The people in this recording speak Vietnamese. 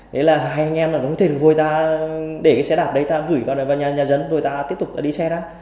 đấy là hai anh em là có thể được vui ta để cái xe đạp đấy ta gửi vào nhà dân rồi ta tiếp tục đi xe ra